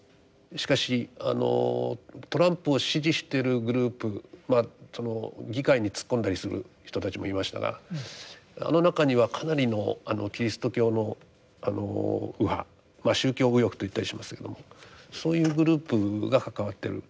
しかしあのトランプを支持してるグループまあその議会に突っ込んだりする人たちもいましたがあの中にはかなりのキリスト教の右派宗教右翼と言ったりしますけどもそういうグループが関わってる。